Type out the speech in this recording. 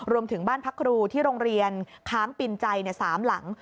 รวมถึงบ้านพักครูที่โรงเรียนค้างปินใจ๓หลัง